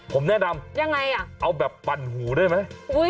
ผมแนะนำเอาแบบปั่นหูได้ไหม